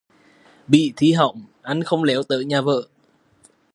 Bị thi hỏng, anh không léo tới nhà vợ